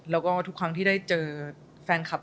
แล้วก็ทุกครั้งที่ได้เจอแฟนคลับ